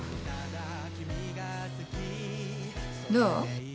どう？